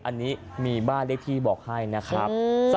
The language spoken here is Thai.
อันนี้มีบ้านเลขที่บอกให้นะครับ